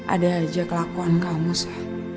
ada aja kelakuan kamu sih